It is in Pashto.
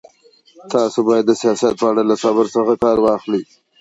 تاسو بايد د سياست په اړه له صبر څخه کار واخلئ.